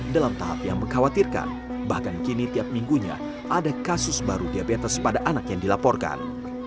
dalam tahap yang mengkhawatirkan bahkan kini tiap minggunya ada kasus baru diabetes pada anak yang dilaporkan